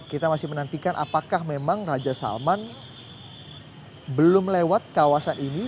kita masih menantikan apakah memang raja salman belum lewat kawasan ini